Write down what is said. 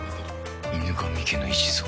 「『犬神家の一族』」